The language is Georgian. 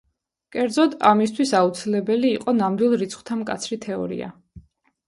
კერძოდ, ამისთვის აუცილებელი იყო ნამდვილ რიცხვთა მკაცრი თეორია.